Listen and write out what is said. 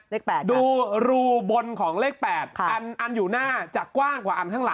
เล็กแปดดูรูบนของเล็กแปดค่ะอันอันอยู่หน้าจากกว้างกว่าอันข้างหลัง